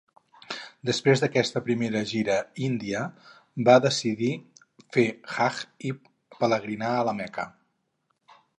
Després d'aquesta primera gira índia, va decidir fer Hajj o pelegrinatge a la Meca.